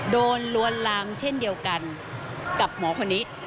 ลวนลามเช่นเดียวกันกับหมอคนนี้